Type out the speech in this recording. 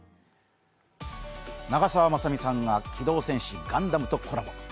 長澤まさみさんが「機動戦士ガンダム」とコラボ。